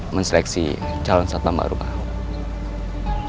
menseleksi calon satpam baru pak